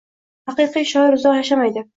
Haqiqiy shoir uzoq yashamaydi